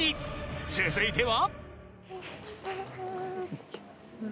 ［続いては］